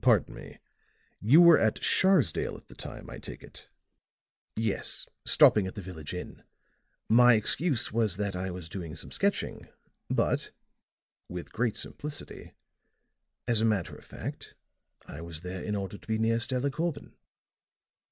"Pardon me. You were at Sharsdale at the time, I take it?" "Yes; stopping at the village inn. My excuse was that I was doing some sketching; but," with great simplicity, "as a matter of fact, I was there in order to be near Stella Corbin."